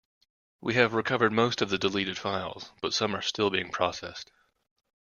We have recovered most of the deleted files, but some are still being processed.